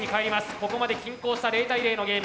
ここまで均衡した０対０のゲーム。